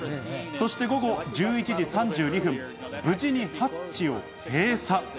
そして午後１１時３２分、無事にハッチを閉鎖。